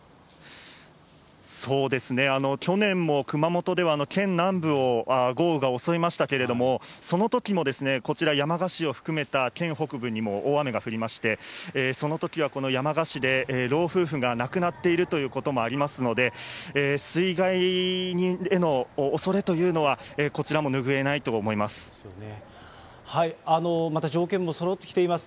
去年も熊本では県南部を豪雨が襲いましたけれども、そのときもこちら山鹿市を含めた県北部にも大雨が降りまして、そのときはこの山鹿市で老夫婦が亡くなっているということもありますので、水害への恐れというのは、こちらも拭えないと思います。